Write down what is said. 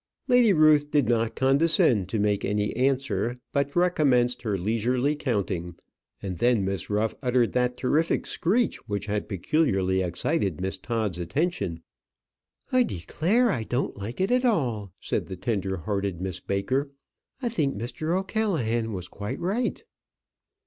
Lady Ruth did not condescend to make any answer, but recommenced her leisurely counting; and then Miss Ruff uttered that terrific screech which had peculiarly excited Miss Todd's attention. "I declare I don't like it at all," said the tender hearted Miss Baker. "I think Mr. O'Callaghan was quite right."